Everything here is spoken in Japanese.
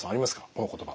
この言葉。